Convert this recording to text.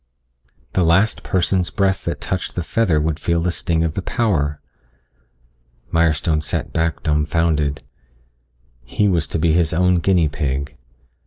The last person's breath that touched the feather would feel the sting of the power. Mirestone sat back dumbfounded. He was to be his own guinea pig.